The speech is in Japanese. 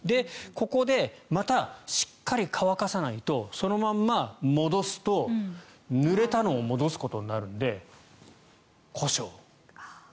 ここでまたしっかり乾かさないとそのまま戻すとぬれたのを戻すことになるので故障。